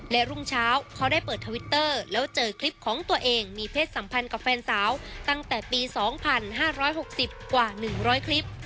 และรุ่งเช้าเขาได้เปิดทวิตเตอร์แล้วเจอคลิปของตัวเองมีเพศสัมพันธ์กับแฟนสาวตั้งแต่ปี๒๕๖๐กว่า๑๐๐คลิป